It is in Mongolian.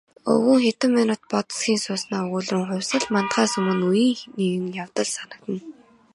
Өвгөн хэдэн минут бодос хийж сууснаа өгүүлрүүн "Хувьсгал мандахаас өмнө үеийн нэгэн явдал санагдана".